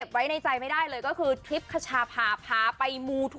เปิดไว้ในใจไม่ได้เลยก็คือทริปขจาเพาะพาไป